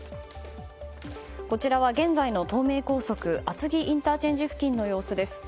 こちらは、現在の東名高速厚木ＩＣ付近の様子です。